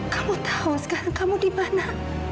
kamu tahu sekarang kamu di mana